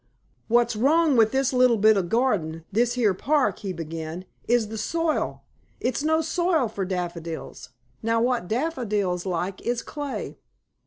"What's wrong with this little bit of garden this here park," he began, "is the soil. It's no soil for daffodils. Now what daffodils like is clay."